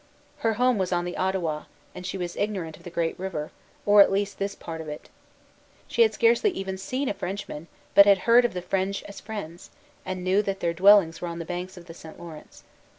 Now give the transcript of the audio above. Her home was on the Ottawa, and she was ignorant of the great river, or, at least, of this part of it. She had scarcely even seen a Frenchman, but had heard of the French as friends, and knew that their dwellings were on the banks of the St. Lawrence.